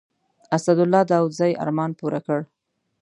اسدالله داودزي ارمان پوره کړ.